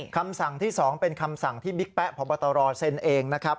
คำสั่งที่๒เป็นคำสั่งที่บิ๊กแป๊ะพบตรเซ็นเองนะครับ